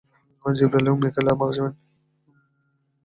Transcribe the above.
জিবরাঈল এবং মীকাঈলও মারা যাবেন?